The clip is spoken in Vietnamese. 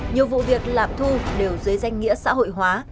nhiều vụ việc lạm thu đều dưới danh nghĩa xã hội hóa